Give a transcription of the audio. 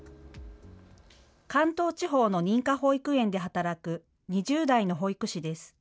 関東地方の認可保育園で働く２０代の保育士です。